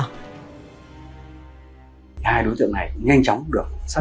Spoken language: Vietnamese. hai đối tượng này